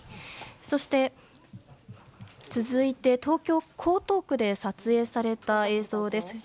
そして、続いて東京・江東区で撮影された映像です。